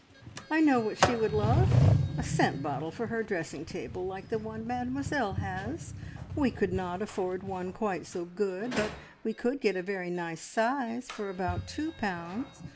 "I know what she would love! A scent bottle for her dressing table like the one Mademoiselle has. We could not afford one quite so good, but we could get a very nice size for about two pounds.